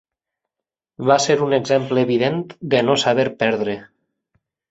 Va ser un exemple evident de no saber perdre.